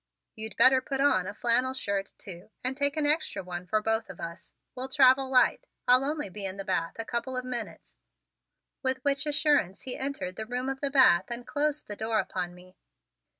You'd better put on a flannel shirt, too, and take an extra one for both of us. We'll travel light. I'll only be in the bath a couple of minutes." With which assurance he entered the room of the bath and closed the door upon me.